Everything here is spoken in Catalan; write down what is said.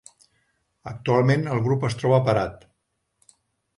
Actualment el grup es troba parat.